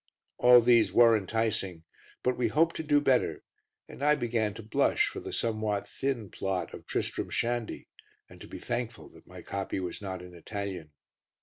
All these were enticing, but we hoped to do better, and I began to blush for the somewhat thin plot of Tristram Shandy and to be thankful that my copy was not in Italian.